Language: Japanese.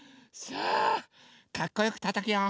さあかっこよくたたくよ。